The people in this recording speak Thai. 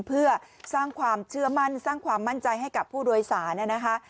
เพื่อสร้างความเชื่อมั่นสร้างความมั่นใจให้กับผู้โดยสารนะคะ